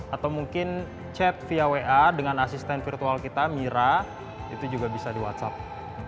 atau mungkin chat via wa dengan asisten virtual kita mira itu juga bisa di whatsapp